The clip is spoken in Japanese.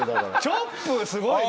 チョップすごいな。